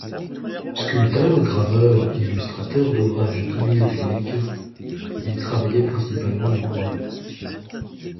Sculpteur, graveur, illustrateur d’ouvrages bibliophiliques, il travaillait principalement le bois.